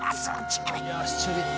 よし中火。